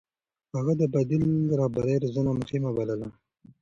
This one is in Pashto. هغه د بديل رهبرۍ روزنه مهمه بلله.